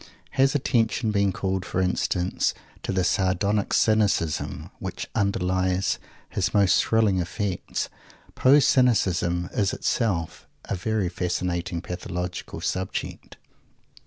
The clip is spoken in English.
Has attention been called, for instance, to the sardonic cynicism which underlies his most thrilling effects? Poe's cynicism is itself a very fascinating pathological subject.